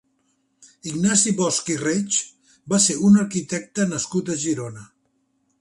Ignasi Bosch i Reitg va ser un arquitecte nascut a Girona.